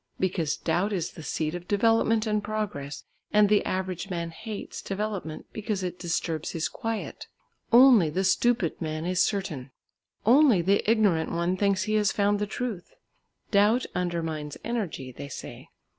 Because doubt is the seed of development and progress, and the average man hates development because it disturbs his quiet. Only the stupid man is certain; only the ignorant one thinks he has found the truth. Doubt undermines energy, they say.